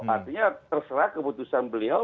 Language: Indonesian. artinya terserah keputusan beliau